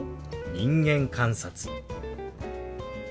「人間観察」。